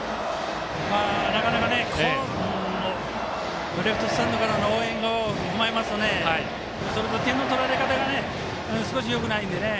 なかなかレフトスタンドからの応援を踏まえますとそれと点の取られ方が少しよくないのでね。